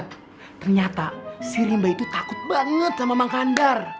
ternyata si rimba itu takut banget sama mang kandar